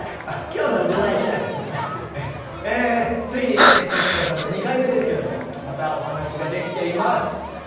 ついに徹子さんと２回目ですけどもまたお話しができています。